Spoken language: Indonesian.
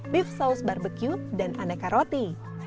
beef saus barbecue dan aneka roti